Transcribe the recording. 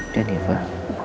jen ya pak